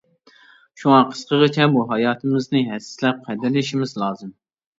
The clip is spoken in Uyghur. شۇڭا قىسقىغىچە بۇ ھاياتىمىزنى ھەسسىلەپ قەدىرلىشىمىز لازىم!